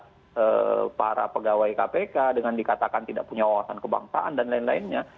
untuk mengaitkan kepegawai kpk dengan dikatakan tidak punya wawasan kebangsaan dan lain lainnya